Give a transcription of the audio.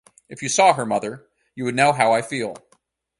If you saw her, mother, you would know how I feel.